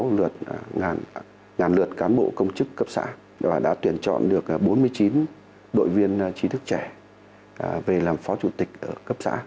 cho trên sáu mươi sáu lượt ngàn lượt cán bộ công chức cấp xã và đã tuyển chọn được bốn mươi chín đội viên trí thức trẻ về làm phó chủ tịch ở cấp xã